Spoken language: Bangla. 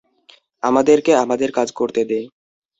আমাদেরকে আমাদের কাজ করতে দে।